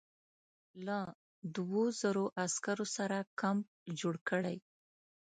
له دوو زرو عسکرو سره کمپ جوړ کړی.